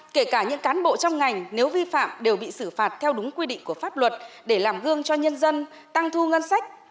kể cả những cán bộ trong ngành nếu vi phạm đều bị xử phạt theo đúng quy định của pháp luật để làm gương cho nhân dân tăng thu ngân sách